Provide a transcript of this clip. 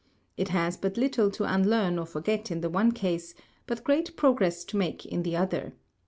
It has but little to unlearn or forget in the one case, but great progress to make in the other.